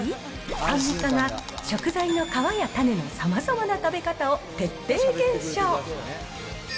アンミカが食材の皮や種のさまざまな食べ方を徹底検証。